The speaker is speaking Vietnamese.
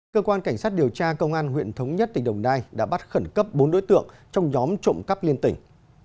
cơ quan cảnh sát điều tra công an huyện thống nhất tỉnh đồng nai đã bắt khẩn cấp bốn đối tượng trong nhóm trộm cắp liên tỉnh